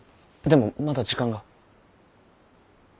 でもまだ時間が。